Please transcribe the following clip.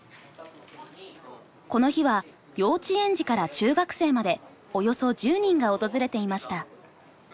この日は幼稚園児から中学生までおよそ１０人が訪れていました。